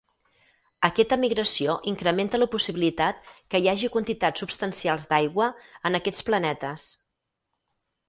Aquesta migració incrementa la possibilitat que hi hagi quantitats substancials d’aigua en aquests planetes.